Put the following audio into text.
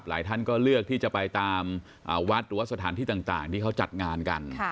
ท่านก็เลือกที่จะไปตามวัดหรือว่าสถานที่ต่างที่เขาจัดงานกัน